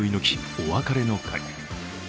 お別れの会。